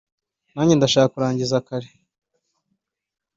Nanjye ndashaka kurangiza kare